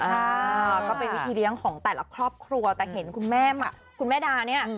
อ่าก็เป็นวิธีเลี้ยงของแต่ละครอบครัวแต่เห็นคุณแม่คุณแม่ดาเนี่ย